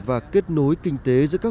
và kết nối kinh tế giữa các huyện